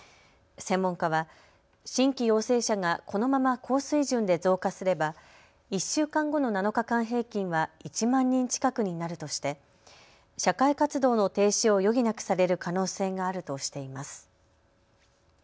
専門家は新規陽性者がこのまま高水準で増加すれば１週間後の７日間平均は１万人近くになるとして社会活動の停止を余儀なくされる可能性があるとしています。